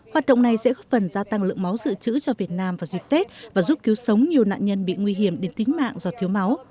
hoạt động này sẽ góp phần gia tăng lượng máu dự trữ cho việt nam vào dịp tết và giúp cứu sống nhiều nạn nhân bị nguy hiểm đến tính mạng do thiếu máu